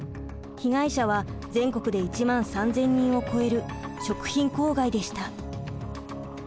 被害者は全国で１万３，０００人を超える食品公害でした。